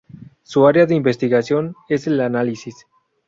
Su área de investigación es el análisis.